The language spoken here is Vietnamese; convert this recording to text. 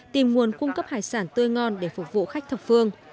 tìm nguồn cung cấp hải sản tươi ngon để phục vụ khách thập phương